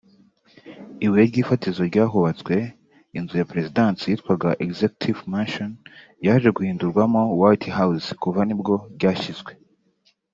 ibuye ry'ifatizo ry’ahubatswe inzu ya perezidansi yitwaga Executive Mansion (yaje guhindurwamo White House kuva nibwo ryashinzwe